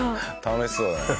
楽しそうだね。